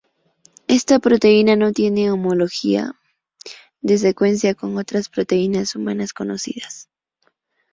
Esta proteína no tiene homología de secuencia con otras proteínas humanas conocidas.